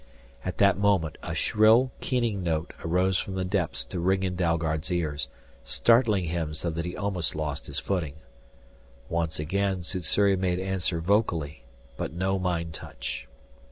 And at that moment a shrill keening note arose from the depths to ring in Dalgard's ears, startling him so that he almost lost his footing. Once again Sssuri made answer vocally but no mind touch.